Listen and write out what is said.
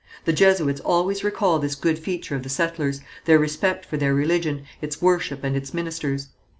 The Jesuits always recall this good feature of the settlers, their respect for their religion, its worship and its ministers.